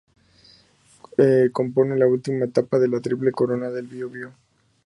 Compone la última etapa de la Triple Corona del Bío-Bío.